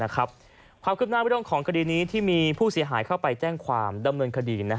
ความคืบหน้าเรื่องของคดีนี้ที่มีผู้เสียหายเข้าไปแจ้งความดำเนินคดี